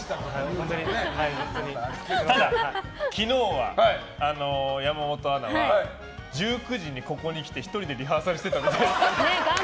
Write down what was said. ただ、昨日は山本アナは１９時にここに来て１人でリハーサルしてた。